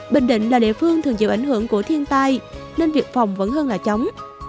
bình định là địa phương thường chịu ảnh hưởng của thiên tai nên việc phòng vẫn hơn là chống